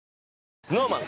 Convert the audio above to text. ＳｎｏｗＭａｎ